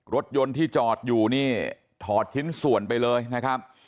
รถยนต์ที่จอดอยู่นี่ถอดชิ้นส่วนไปเลยนะครับ